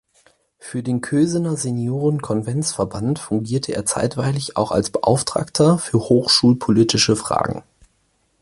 Für den Kösener Senioren-Convents-Verband fungierte er zeitweilig auch als Beauftragter für hochschulpolitische Fragen.